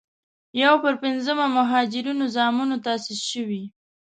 یو پر پينځمه مهاجرینو زامنو تاسیس شوې.